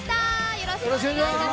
よろしくお願いします。